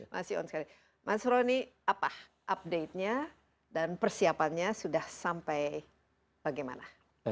mas sahroni update nya dan persiapannya sudah sampai bagaimana